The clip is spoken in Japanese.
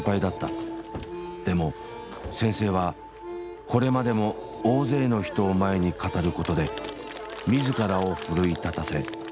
でも先生はこれまでも大勢の人を前に語ることで自らを奮い立たせそれを書く力に変えてきた。